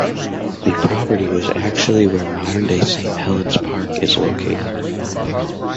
The property was actually where modern day Saint Helens Park is located.